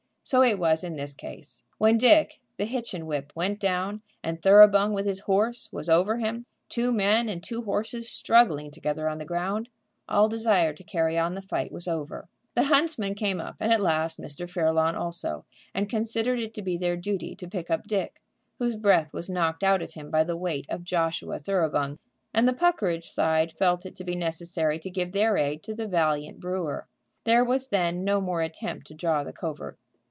So it was in this case. When Dick, the Hitchin whip, went down, and Thoroughbung, with his horse, was over him, two men and two horses struggling together on the ground, all desire to carry on the fight was over. The huntsman came up, and at last Mr. Fairlawn also, and considered it to be their duty to pick up Dick, whose breath was knocked out of him by the weight of Joshua Thoroughbung, and the Puckeridge side felt it to be necessary to give their aid to the valiant brewer. There was then no more attempt to draw the covert.